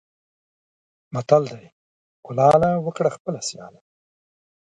متل دی: کلاله! وکړه خپله سیاله.